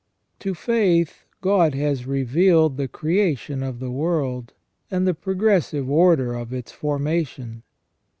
To faith God has revealed the creation of the world, and the progressive order of its formation.